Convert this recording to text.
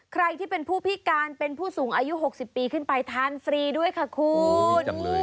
ใครที่เป็นผู้พิการเป็นผู้สูงอายุ๖๐ปีขึ้นไปทานฟรีด้วยค่ะคุณ